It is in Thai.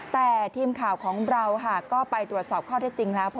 แต่ทีมข่าวของเราก็ไปตรวจสอบข้อเท็จจริงแล้ว